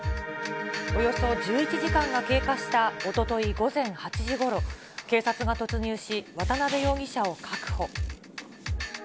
およそ１１時間が経過したおととい午前８時ごろ、警察が突入し、渡辺容疑者を確保。